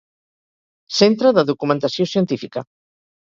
Centre de Documentació Científica.